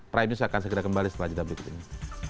prime news akan segera kembali setelah jeda berikut ini